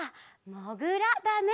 もぐらだね。